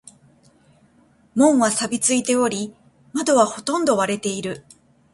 門は錆びついており、窓はほとんど割れている。